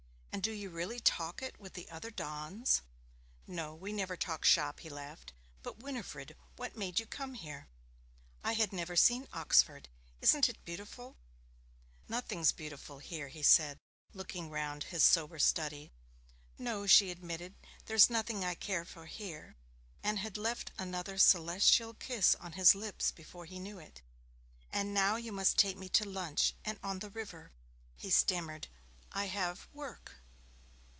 'And do you really talk it with the other dons?' 'No, we never talk shop,' he laughed. 'But, Winifred, what made you come here?' 'I had never seen Oxford. Isn't it beautiful?' 'There's nothing beautiful here,' he said, looking round his sober study. 'No,' she admitted; 'there's nothing I care for here,' and had left another celestial kiss on his lips before he knew it. 'And now you must take me to lunch and on the river.' He stammered, 'I have work.'